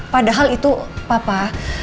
padahal itu papa